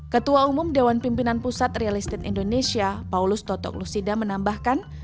ketua umum dewan pimpinan pusat real estate indonesia paulus totoklusida menambahkan